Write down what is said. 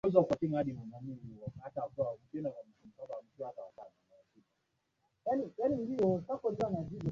ambao walikuwa wakitumia michezo kwa ajili ya kuwaandaa wapiganaji kabla ya vita